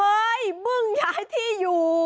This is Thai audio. เฮ้ยเบิ้งอย่าที่อยู่